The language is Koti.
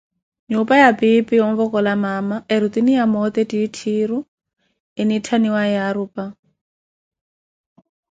Nyuupa ya piipi woovokola maama eri tuniya moote ttiitthiiru enitthiwaye Yaarupa.